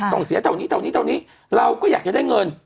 ต้องเสียเท่านี้เท่านี้เท่านี้เราก็อยากจะได้เงิน